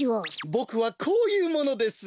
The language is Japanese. ボクはこういうものです。